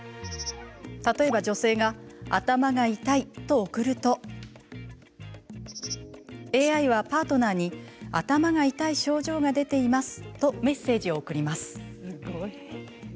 例えば、女性が頭が痛いと送るとＡＩはパートナーに頭が痛い症状が出ていますとメッセージを送ります。